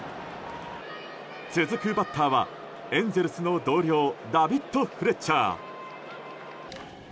続くバッターはエンゼルスの同僚ダビッド・フレッチャー。